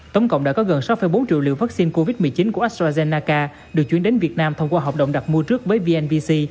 tổng cộng đã có gần sáu bốn triệu liệu vaccine covid một mươi chín của astrazeneca được chuyển đến việt nam thông qua hợp động đặt mua trước với vnbc